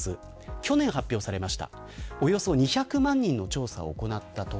去年発表されました。